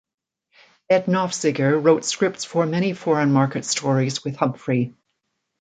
Ed Nofziger wrote scripts for many foreign market stories with Humphrey.